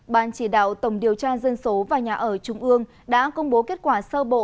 ban chỉ đạo tổng điều tra dân số và nhà ở trung ương đã công bố kết quả sơ bộ